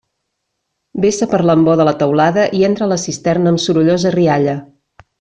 Vessa per l'embó de la teulada i entra a la cisterna amb sorollosa rialla.